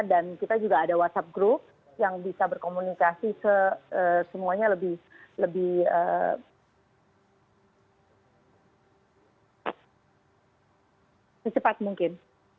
dan kita juga ada whatsapp group yang bisa berkomunikasi semuanya lebih secepat mungkin